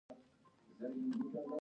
څه انځوروئ؟ منظرې، ګلان او خلک